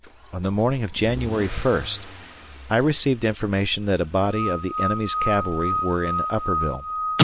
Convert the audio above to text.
On the morning of January 1, I received information that a body of the enemy's cavalry were in Upperville.